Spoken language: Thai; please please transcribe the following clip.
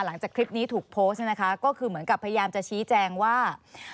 หลังจากคลิปนี้ถูกโพสต์เนี่ยนะคะก็คือเหมือนกับพยายามจะชี้แจงว่า